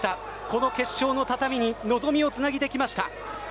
この決勝の畳に望みをつないできました。